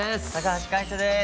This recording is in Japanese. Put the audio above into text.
橋海人です。